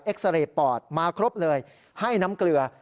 ซาเรย์ปอดมาครบเลยให้น้ำเกลือ